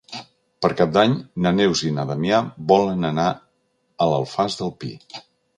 Per Cap d'Any na Neus i na Damià volen anar a l'Alfàs del Pi.